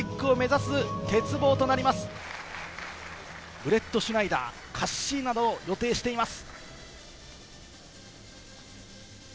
ブレットシュナイダー、カッシーナを予定しています。